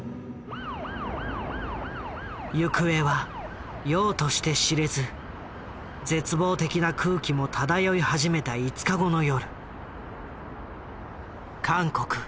行方はようとして知れず絶望的な空気も漂い始めた５日後の夜。